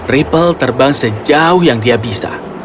ripple terbang sejauh yang dia bisa